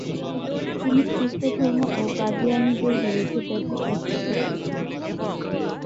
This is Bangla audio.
তিনি খ্রিস্টধর্ম ও কাদিয়ানীদের বিরুদ্ধে ব্যাপক লেখালেখি করেছেন।